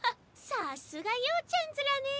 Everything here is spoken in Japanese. さすが曜ちゃんずらね。